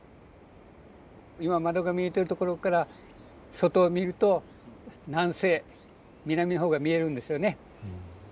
今窓が見えてるところから外を見ると南西南のほうが見えるんですよね。